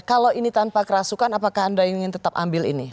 kalau ini tanpa kerasukan apakah anda ingin tetap ambil ini